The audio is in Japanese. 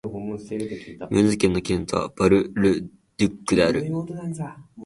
ムーズ県の県都はバル＝ル＝デュックである